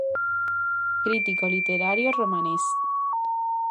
Crítico literario romanés.